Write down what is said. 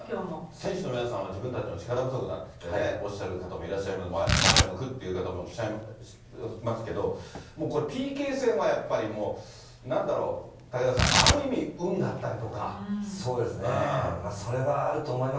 選手の皆さんは自分たちの力不足だって言ってね、おっしゃる方もいらっしゃいましたけど、前を向くっていう方もいらっしゃいますけど、ＰＫ戦はなんだろう、武田さん、ある意味、そうですね、それはあると思います。